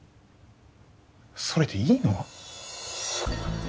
それでいいの？